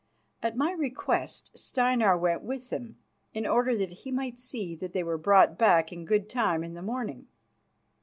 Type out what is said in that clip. At my request Steinar went with them, in order that he might see that they were brought back in good time in the morning.